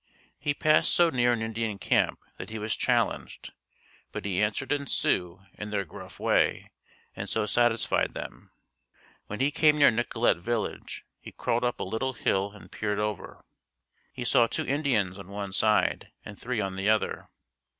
He passed so near an Indian camp that he was challenged, but he answered in Sioux in their gruff way and so satisfied them. When he came near Nicollet village he crawled up a little hill and peered over. He saw two Indians on one side and three on the other.